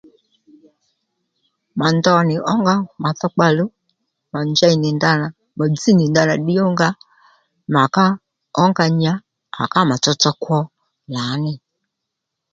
Màndho nì ǒnga mà dhokpa ò luw mà njey nì ndanà mà dzź nì ndanà ddiy ó nga mà ká ǒnga nya à ká mà tsotso kwo lǎní